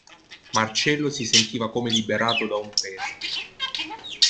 Marcello si sentiva come liberato da un peso.